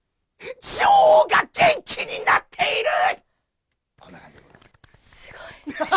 女王が元気になっている。